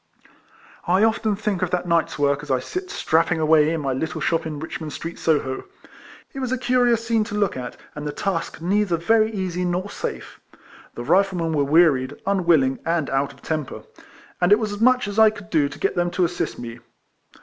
I often think of that night's work as I sit strapping away in my little shop in Rich mond Street, Solio. It was a curious scene to look at, and the task neither very easy nor safe. The Riflemen were wearied, un willing, and out of temper; and it was as much as I could do to get them to assist me.